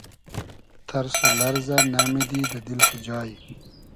تئرس و لئرزۂ نئمیدی دۂ دیل خو جای